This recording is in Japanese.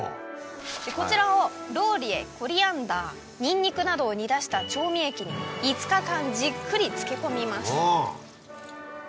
こちらをローリエコリアンダーニンニクなどを煮出した調味液にじっくり。